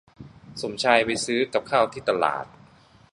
สมชายไปซื้อกับข้าวที่ตลาด